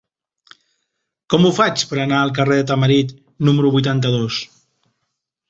Com ho faig per anar al carrer de Tamarit número vuitanta-dos?